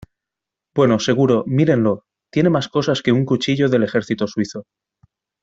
Bueno, seguro , mírenlo. Tiene más cosas que un cuchillo del ejército suizo .